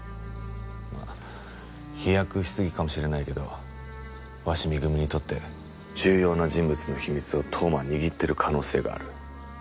まあ飛躍しすぎかもしれないけど鷲見組にとって重要な人物の秘密を当麻は握ってる可能性がある。